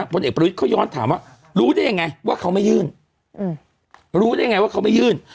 พลเอกประวิทย์เขาย้อนถามว่ารู้ได้ยังไงว่าเขาไม่ยื่น